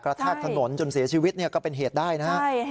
แทกถนนจนเสียชีวิตก็เป็นเหตุได้นะฮะ